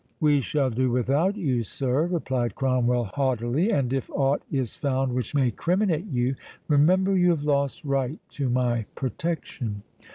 "We shall do without you, sir," replied Cromwell, haughtily; "and if aught is found which may criminate you, remember you have lost right to my protection."